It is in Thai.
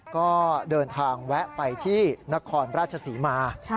ก็เดินทางแวะไปที่นครราชศรีมา